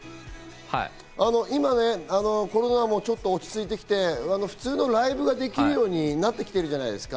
今、コロナもちょっと落ち着いてきて、普通のライブができるようになってきてるじゃないですか？